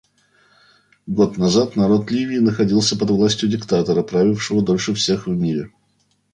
Год назад народ Ливии находился под властью диктатора, правившего дольше всех в мире.